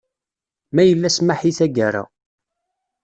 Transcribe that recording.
Ma yella smaḥ i taggara.